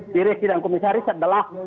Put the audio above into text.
direksi dan komisaris adalah